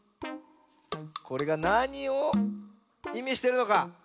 これがなにをいみしてるのか。